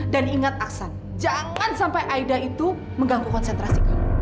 dan ingat aksan jangan sampai aida itu mengganggu konsentrasi kamu